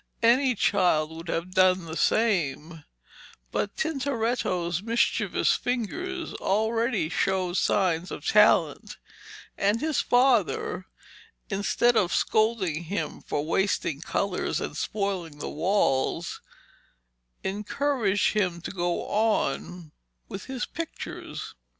Any child would have done the same, but Tintoretto's mischievous fingers already showed signs of talent, and his father, instead of scolding him for wasting colours and spoiling the walls, encouraged him to go on with his pictures.